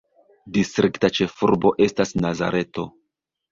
Distrikta ĉefurbo estas Nazareto.